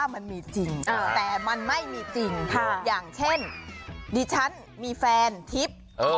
มันมีจริงแต่มันไม่มีจริงอย่างเช่นดิฉันมีแฟนทิพย์